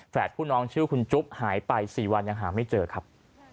ผู้น้องชื่อคุณจุ๊บหายไป๔วันยังหาไม่เจอครับ